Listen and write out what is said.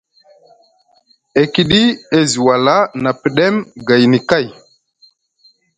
E kiɗi e zi wala na pɗem gayni kay.